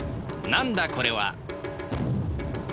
なんだこれは！